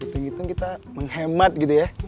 hitung hitung kita menghemat gitu ya